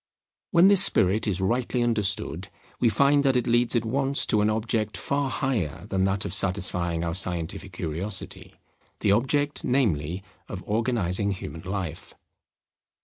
When this spirit is rightly understood, we find that it leads at once to an object far higher than that of satisfying our scientific curiosity; the object, namely, of organizing human life.